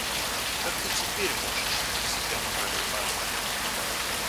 Как ты теперь можешь присягать королю Англии?